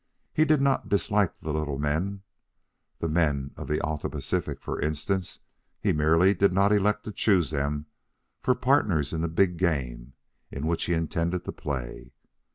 He did not dislike the little men, the men of the Alta Pacific, for instance. He merely did not elect to choose them for partners in the big game in which he intended to play.